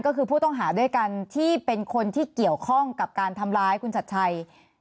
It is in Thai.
ก็คือผู้ต้องหาด้วยกันที่เป็นคนที่เกี่ยวข้องกับการทำร้ายคุณชัดชัย